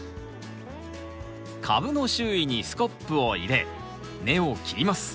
株の周囲にスコップを入れ根を切ります。